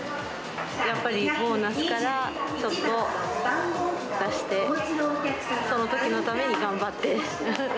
やっぱりボーナスからちょっと出して、そのときのために頑張って。